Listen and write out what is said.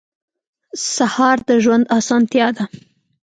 سهار د ژوند اسانتیا ده.